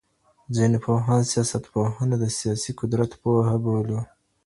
ځيني پوهان سياستپوهنه د سياسي قدرت پوهه بولي.